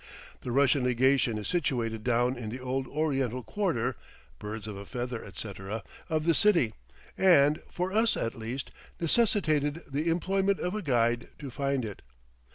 The Russian Legation is situated down in the old Oriental quarter (birds of a feather, etc.) of the city, and, for us at least, necessitated the employment of a guide to find it.